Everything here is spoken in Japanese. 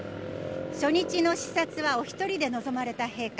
初日の視察はお１人で臨まれた陛下。